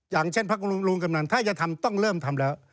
อย่างเช่นพักลุงกำนันถ้าจะทำต้องเริ่มทำแล้ว